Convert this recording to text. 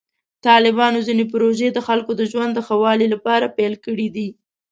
طالبانو ځینې پروژې د خلکو د ژوند د ښه والي لپاره پیل کړې دي.